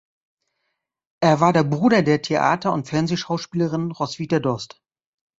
Er war der Bruder der Theater- und Fernsehschauspielerin Roswitha Dost.